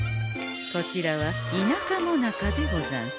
こちらは「田舎もなか」でござんす。